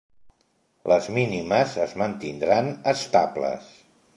Les mínimes es mantindran estables.